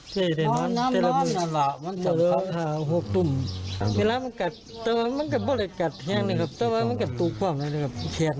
แค้นแล้วสิบุ๊บ